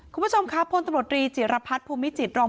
คุณผู้ชมครับพลตำรวจรีจิรพัฒน์ภูมิจิตรอง